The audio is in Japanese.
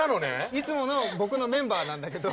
いつもの僕のメンバーなんだけど。